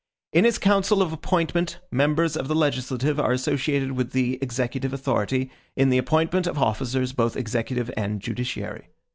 In its council of appointment members of the legislative are associated with the executive authority, in the appointment of officers, both executive and judiciary.